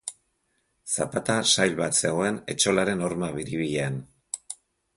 Zapata sail bat zegoen etxolaren horma biribilean.